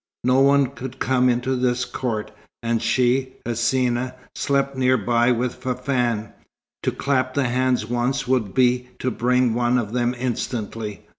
No one could come into this court; and she Hsina slept near by with Fafann. To clap the hands once would be to bring one of them instantly.